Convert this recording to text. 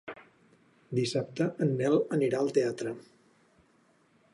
Dissabte en Nel anirà al teatre.